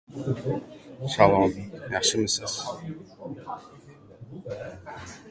Bir kun ochilasan,